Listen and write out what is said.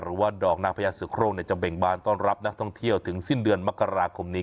หรือว่าดอกนางพญาเสือโครงจะเบ่งบานต้อนรับนักท่องเที่ยวถึงสิ้นเดือนมกราคมนี้